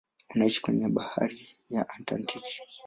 Unaishia kwenye bahari ya Atlantiki.